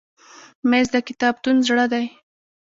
مېز د کتابتون زړه دی.